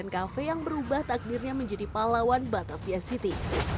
kafe yang berubah takdirnya menjadi pahlawan batavia city